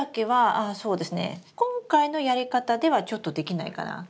今回のやり方ではちょっとできないかな。